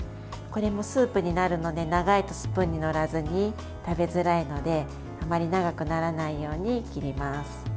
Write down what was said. これもスープになるので長いと、スプーンに載らずに食べづらいのであまり長くならないように切ります。